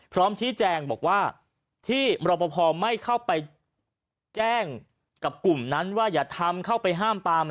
พร้อมชี้แจงบอกว่าที่มรปภไม่เข้าไปแจ้งกับกลุ่มนั้นว่าอย่าทำเข้าไปห้ามปาม